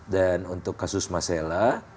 dan untuk kasus masela